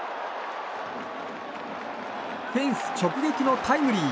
フェンス直撃のタイムリー。